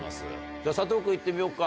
じゃ佐藤君行ってみよっか。